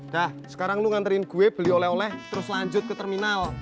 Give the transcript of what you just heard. dah sekarang lu nganterin gue beli oleh oleh terus lanjut ke terminal